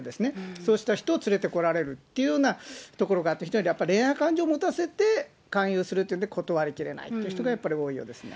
そうした人を連れてこられるというようなところがあって、恋愛感情を持たせて、勧誘するというんで、断り切れないという人が多いようですね。